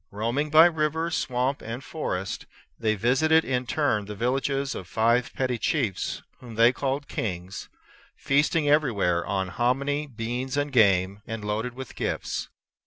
Roaming by river, swamp, and forest, they visited in turn the villages of five petty chiefs, whom they called kings, feasting everywhere on hominy, beans, and game, and loaded with gifts.